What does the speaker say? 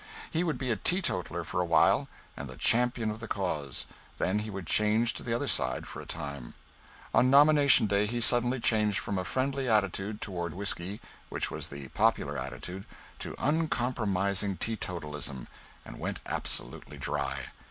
He would be a teetotaler for a while and the champion of the cause; then he would change to the other side for a time. On nomination day he suddenly changed from a friendly attitude toward whiskey which was the popular attitude to uncompromising teetotalism, and went absolutely dry.